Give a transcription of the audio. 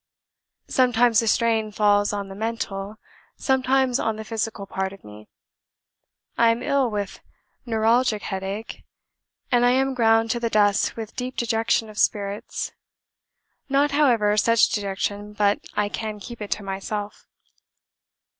Sometimes the strain falls on the mental, sometimes on the physical part of me; I am ill with neuralgic headache, or I am ground to the dust with deep dejection of spirits (not, however, such dejection but I can keep it to myself).